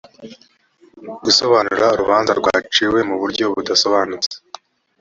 gusobanura urubanza rwaciwe mu buryo budasobanutse